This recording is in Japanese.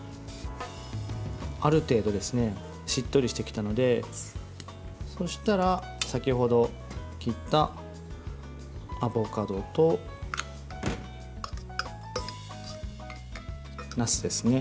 ある程度しっとりしてきたのでそしたら、先ほど切ったアボカドと、なすですね。